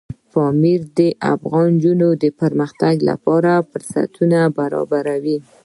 پامیر د افغان نجونو د پرمختګ لپاره فرصتونه برابروي.